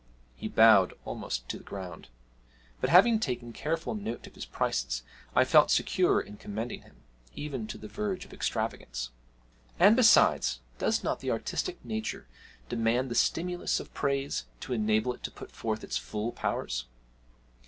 He bowed almost to the ground; but, having taken careful note of his prices, I felt secure in commending him, even to the verge of extravagance; and, besides, does not the artistic nature demand the stimulus of praise to enable it to put forth its full powers?